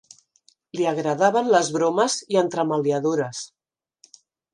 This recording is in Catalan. Li agradaven les bromes i entremaliadures.